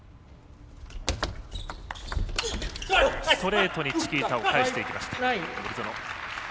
ストレートでチキータを返していきました、森薗。